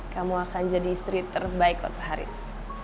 kamu akan jadi istri terbaik untuk haris